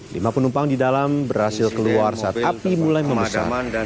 lima penumpang di dalam berhasil keluar saat api mulai memasak